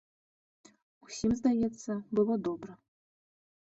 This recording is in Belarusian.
Усім, здаецца, было добра.